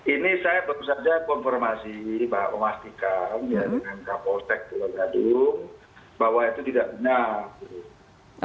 ini saya baru saja konfirmasi memastikan ya dengan kapolsek pulau gadung bahwa itu tidak benar